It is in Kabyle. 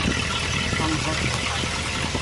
Anẓad n uqerru.